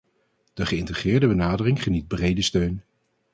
De geïntegreerde benadering geniet brede steun.